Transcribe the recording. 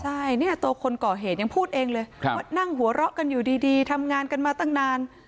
ใช่เนี่ยตัวคนก่อเหตุยังพูดเองเลยว่านั่งหัวเราะกันอยู่ดีทำงานกันมาตั้งนาน